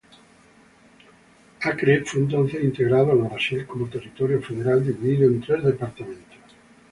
Acre fue entonces integrado al Brasil como territorio federal, dividido en tres departamentos.